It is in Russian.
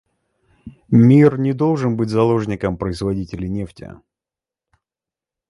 Мир не должен быть заложником производителей нефти.